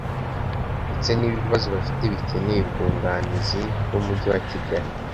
ndetse n ibibazo bafite bikeneye ubwunganizi bw Umujyi wakigali